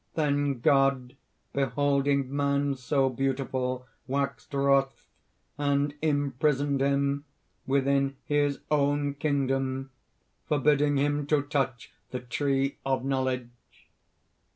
"Then God, beholding Man so beautiful, waxed wroth; and imprisoned him within His own kingdom, forbidding him to touch the Tree of Knowledge.